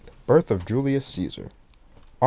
Birth of Julius Caesar. Aug.